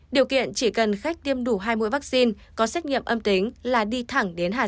điều kiện chỉ cần khách tiêm đủ hai mũi vaccine có xét nghiệm âm tính là đi thẳng đến